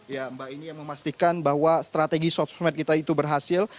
ya mbak ini yang memastikan bahwa strategi sosmed kita itu berhasil